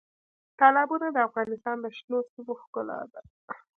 تالابونه د افغانستان د شنو سیمو ښکلا ده.